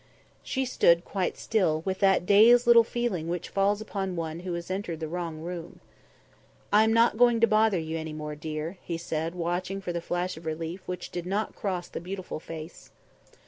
She stood quite still, with that dazed little feeling which falls upon one who has entered the wrong room. "I'm not going to bother you any more, dear," he said, watching for the flash of relief which did not cross the beautiful face.